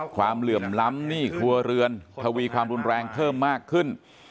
ความเหลื่อมล้ำหนี้ครัวเรือนถวีความนุรแรงเท่ามายกขึ้น